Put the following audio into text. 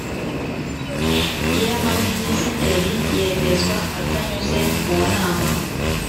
y amaminisiteri yemezwa atanyuze mu nama